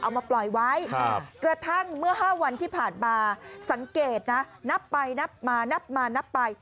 เอามาปล่อยไว้กระทั่งเมื่อ๕วันที่ผ่านมาสังเกตนะนับไปนับมานับมานับไป